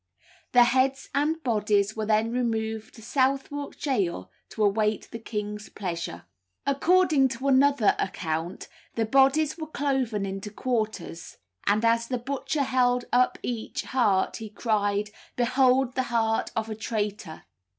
The heads and bodies were then removed to Southwark gaol to await the king's pleasure. According to another account the bodies were cloven into quarters; and as the butcher held up each heart he cried, "Behold the heart of a traitor!"